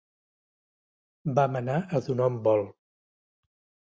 Vam anar a donar un volt.